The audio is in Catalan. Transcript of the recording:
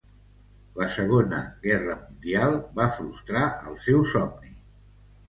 La Segona Guerra Mundial va frustrar el seu somni.